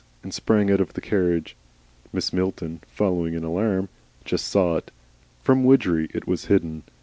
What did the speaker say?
and sprang out of the carriage. Mrs. Milton, following in alarm, just saw it. From Widgery it was hidden.